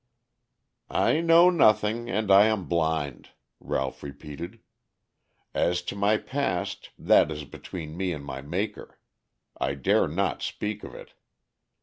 "I know nothing and I am blind," Ralph repeated. "As to my past, that is between me and my Maker. I dare not speak of it.